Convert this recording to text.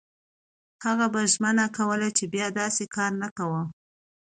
هغه به ژمنه کوله چې بیا داسې کار نه کوي.